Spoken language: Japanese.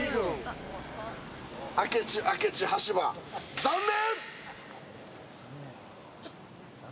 明智、明智、羽柴、残念！